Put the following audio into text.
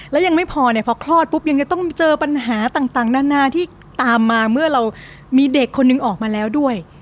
แล้วยังไม่พอเนี่ยพอคลอดปุ๊บยังจะต้องเจอปัญหาต่างนานาที่ตามมาเมื่อเรามีเด็กคนนึงออกมาแล้วด้วย